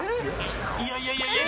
いやいやいやいや。